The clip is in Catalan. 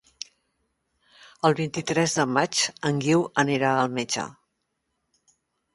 El vint-i-tres de maig en Guiu anirà al metge.